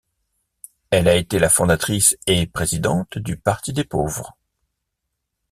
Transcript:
Elle a été la fondatrice et présidente du Parti des Pauvres.